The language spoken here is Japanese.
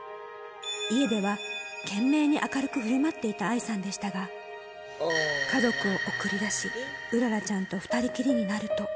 家では、懸命に明るくふるまっていた愛さんでしたが、家族を送り出し、麗ちゃんと２人きりになると。